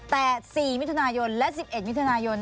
แต่๔มิถุนายนและ๑๑มิถุนายน